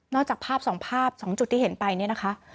นอกจากภาพสองภาพสองจุดที่เห็นไปนี่นะคะ